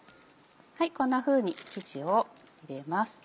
こんなふうに生地を入れます。